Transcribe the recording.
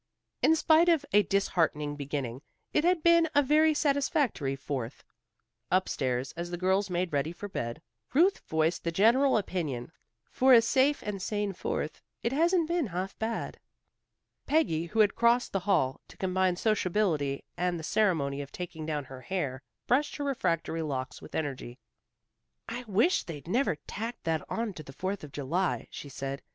In spite of a disheartening beginning, it had been a very satisfactory Fourth. Up stairs, as the girls made ready for bed, Ruth voiced the general opinion. "For a safe and sane Fourth, it hasn't been half bad." Peggy who had crossed the hall, to combine sociability with the ceremony of taking down her hair, brushed her refractory locks with energy. "I wish they'd never tacked that on to the Fourth of July," she said.